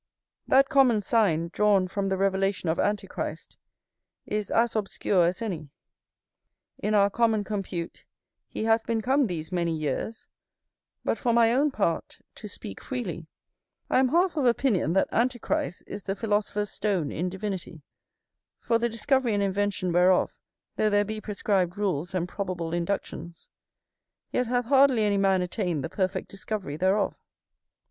That common sign, drawn from the revelation of antichrist, is as obscure as any; in our common compute he hath been come these many years; but, for my own part, to speak freely, I am half of opinion that antichrist is the philosopher's stone in divinity, for the discovery and invention whereof, though there be prescribed rules, and probable inductions, yet hath hardly any man attained the perfect discovery thereof.